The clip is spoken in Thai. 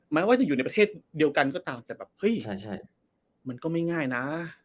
แม้ว่าจะอยู่ในประเทศเดียวกันก็ตามแต่แบบเฮ้ยมันก็ไม่ง่ายนะ